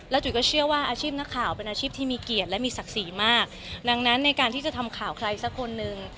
จุ๋ยก็เชื่อว่าอาชีพนักข่าวเป็นอาชีพที่มีเกียรติและมีศักดิ์ศรีมากดังนั้นในการที่จะทำข่าวใครสักคนนึง